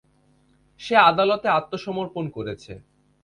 সে আদালতে আত্মসমর্পণ করেছে।